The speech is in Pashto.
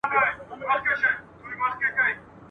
چي يې نوم وای تر اسمانه رسېدلی ..